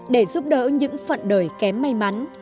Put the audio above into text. để giúp đỡ những phận đời kém may mắn